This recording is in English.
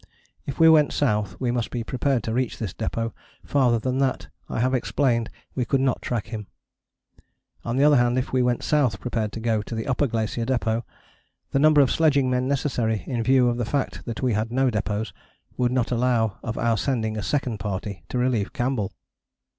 If we went south we must be prepared to reach this depôt: farther than that, I have explained, we could not track him. On the other hand, if we went south prepared to go to the Upper Glacier Depôt, the number of sledging men necessary, in view of the fact that we had no depôts, would not allow of our sending a second party to relieve Campbell.